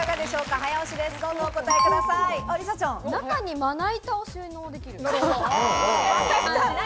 早押しで中にまな板を収納できる。